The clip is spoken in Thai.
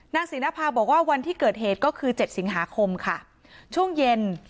ศรีนภาบอกว่าวันที่เกิดเหตุก็คือเจ็ดสิงหาคมค่ะช่วงเย็น